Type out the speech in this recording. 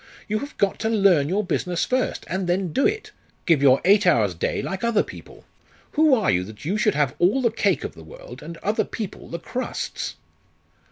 You have got to learn your business first, and then do it. Give your eight hours' day like other people! Who are you that you should have all the cake of the world, and other people the crusts?"